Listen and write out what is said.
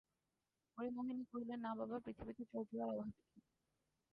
হরিমোহিনী কহিলেন, না বাবা, পৃথিবীতে চোর-জুয়াচোরের অভাব কী?